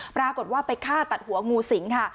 ปรากฏว่าไปฆ่าตัดหัวงูสิงค่ะ